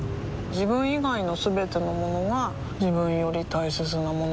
自分以外のすべてのものが自分より大切なものだと思いたい